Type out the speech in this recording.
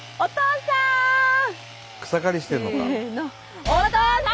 草刈りしてるのか。